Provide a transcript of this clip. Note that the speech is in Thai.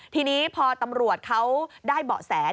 ทีนี้พอตำรวจเขาได้เบาะแส